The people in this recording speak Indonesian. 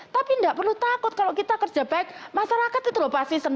tapi nggak perlu takut kalau kita kerja baik masyarakat itu loh pasti senang